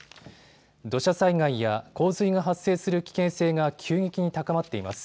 土砂災害や洪水が発生する危険性が急激に高まっています。